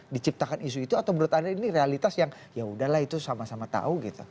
diciptakan isu itu atau menurut anda ini realitas yang yaudahlah itu sama sama tahu gitu